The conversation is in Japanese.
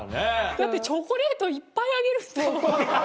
だってチョコレートいっぱいあげるんだもん。